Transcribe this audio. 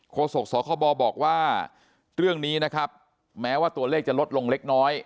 โศกสคบบอกว่าเรื่องนี้นะครับแม้ว่าตัวเลขจะลดลงเล็กน้อย